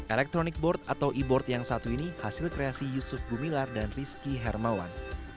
electronic board atau e board yang satu ini hasil kreasi yusuf gumilar dan rizky hermawan